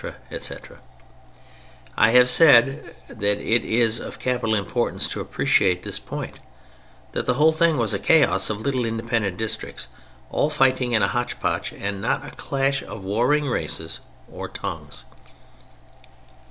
I have said that it is of capital importance to appreciate this point—that the whole thing was a chaos of little independent districts all fighting in a hotchpotch and not a clash of warring races or tongues.